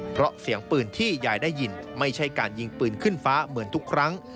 เพราะเสียงปืนที่ยายได้ยินไม่ใช่การยิงปืนขึ้นฟ้าเหมือนทุกครั้ง